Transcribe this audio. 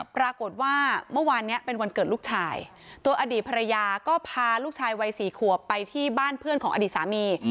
ปรากฏว่าเมื่อวานนี้เป็นวันเกิดลูกชายตัวอดีตภรรยาก็พาลูกชายวัย๔ขวบไปที่บ้านเพื่อนของอดีตสามี